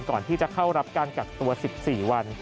ก่อนที่จะเข้ารับการกักตัว๑๔วัน